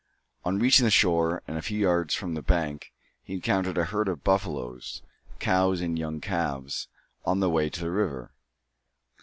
On reaching the shore, and a few yards from the bank, he encountered a herd of buffaloes, cows and young calves, on their way to the river.